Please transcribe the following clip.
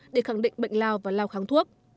để khẳng định bệnh lao và lao kháng thuốc